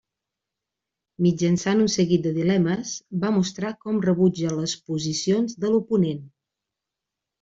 Mitjançant un seguit de dilemes, va mostrant com rebutja les posicions de l'oponent.